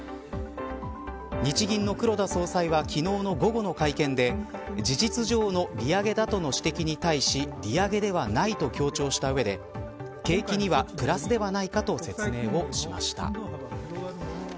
日銀の黒田総裁は昨日の午後の会見で事実上の利上げだとの指摘に対し利上げではないと強調した上で景気にはプラスではないかと説明をしました。